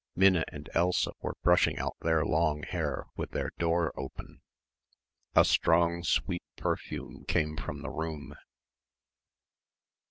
Minna and Elsa were brushing out their long hair with their door open. A strong sweet perfume came from the room.